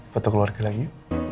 potong keluarga lagi yuk